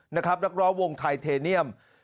นักร้องวงไทเทเนียม